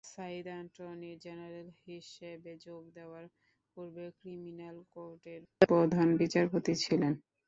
Saeed attorney general হিসেবে যোগ দেওয়ার পূর্বে ক্রিমিনাল কোর্টের প্রধান বিচারপতি ছিলেন।